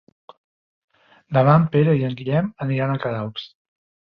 Demà en Pere i en Guillem aniran a Queralbs.